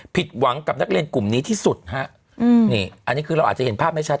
ผิดหวังกับนักเรียนกลุ่มนี้ที่สุดฮะอืมนี่อันนี้คือเราอาจจะเห็นภาพไม่ชัด